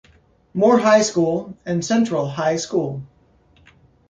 Moore High School, and Central High School.